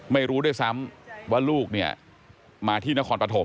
ไม่รู้ด้วยซ้ำว่าลูกเนี่ยมาที่นครปฐม